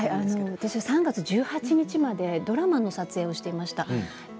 私は３月１８日までドラマの撮影をしていました。